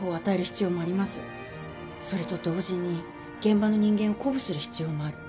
それと同時に現場の人間を鼓舞する必要もある。